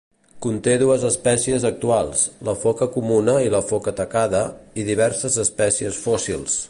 Conté dues espècies actuals, la foca comuna i la foca tacada, i diverses espècies fòssils.